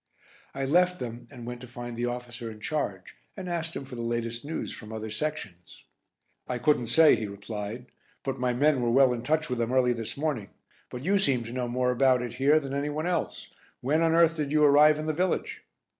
I left them and went to find the officer in charge, and asked him for the latest news from other sections. "I couldn't say," he replied, "but my men were well in touch with them early this morning, but you seem to know more about it here than anyone else. When on earth did you arrive in the village?"